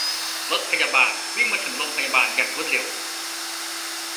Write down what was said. รถพยาบาลวิ่งมาถึงโรงพยาบาลอย่างรวดเร็ว